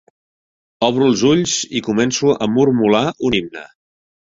Obro els ulls i començo a mormolar un himne.